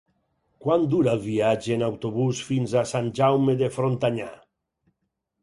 Quant dura el viatge en autobús fins a Sant Jaume de Frontanyà?